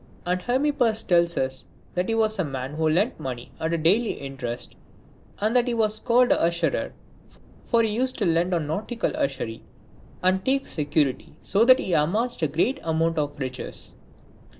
And Hermip pus tells us that he was a man who lent money at daily interest, and that he was called a usurer ; for he used to lend on nautical usury, and take security, so that he amassed a very great amount of riches.